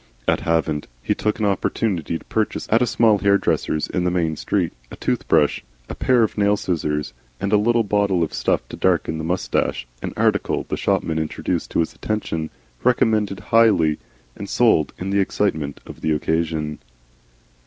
At Havant he took an opportunity to purchase, at small hairdresser's in the main street, a toothbrush, a pair of nail scissors, and a little bottle of stuff to darken the moustache, an article the shopman introduced to his attention, recommended highly, and sold in the excitement of the occasion.